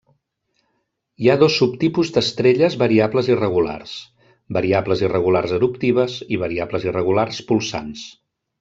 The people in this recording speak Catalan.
Hi ha dos subtipus d'estrelles variables irregulars: variables irregulars eruptives i variables irregulars polsants.